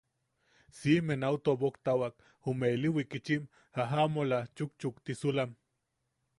Siʼime nau toboktawak jume ili wikitchim jajamola chukchuktisulam.